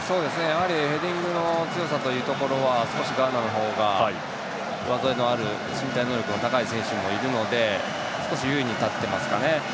やはりヘディングの強さというところは少しガーナの方が上背のある身体能力の高い選手もいるので少し優位に立っていますね。